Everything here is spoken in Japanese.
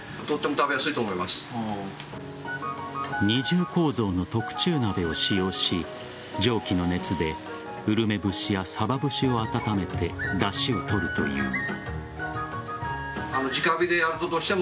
二重構造の特注鍋を使用し蒸気の熱でうるめ節やさば節を温めてだしを取るという。